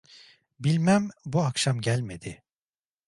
Bilmem, bu akşam gelmedi!